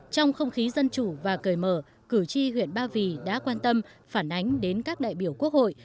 trong không khí dân chủ và cởi mở cử tri huyện ba vì đã quan tâm phản ánh đến các đại biểu quốc hội